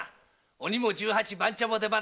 鬼も十八番茶も出花！